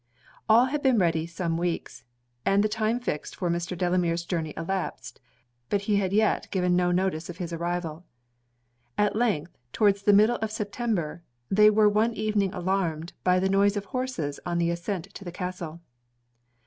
All had been ready some weeks, and the time fixed for Mr. Delamere's journey elapsed, but he had yet given no notice of his arrival. At length, towards the middle of September, they were one evening alarmed by the noise of horses on the ascent to the castle.